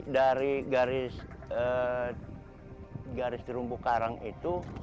dari garis terumbu karang itu